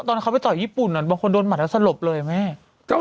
ตอนเขาไปต่อยญี่ปุ่นบางคนโดนหมัดแล้วสลบเลยแม่